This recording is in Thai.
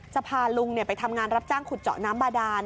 พาลุงไปทำงานรับจ้างขุดเจาะน้ำบาดาน